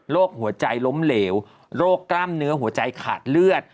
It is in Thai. หัวใจล้มเหลวโรคกล้ามเนื้อหัวใจขาดเลือด